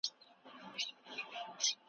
څنګه دوامداره کوښښ د طبیعي خنډونو مخه نیسي؟